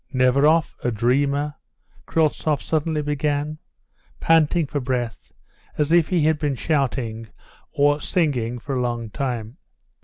"Neveroff a dreamer?" Kryltzoff suddenly began, panting for breath as if he had been shouting or singing for a long time.